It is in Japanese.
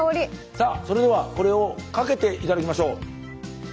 さあそれではこれをかけて頂きましょう。